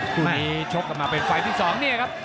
คู่นี้ชกกันมาเป็นไฟล์ที่๒เนี่ยครับ